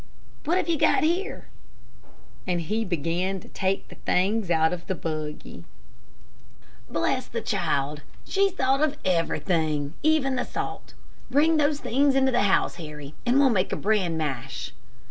What have you got here?" and he began to take the things out of the buggy. "Bless the child, she's thought of everything, even the salt. Bring those things into the house, Harry, and we'll make a bran mash."